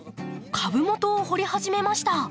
株元を掘り始めました。